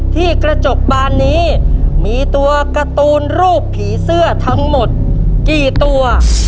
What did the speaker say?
ที่กระจกบานนี้มีตัวการ์ตูนรูปผีเสื้อทั้งหมดกี่ตัว